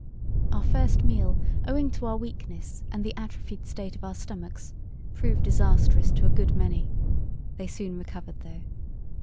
"Our first meal, owing to our weakness and the atrophied state of our stomachs, proved disastrous to a good many. They soon recovered though.